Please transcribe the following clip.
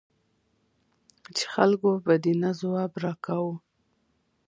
چې خلکو به د نه ځواب را کاوه.